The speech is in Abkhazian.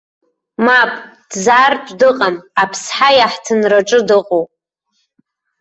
Мап, дзаартә дыҟам, аԥсҳа иаҳҭынраҿы дыҟоуп.